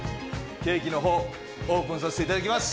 ケーキの方オープンさせて頂きます。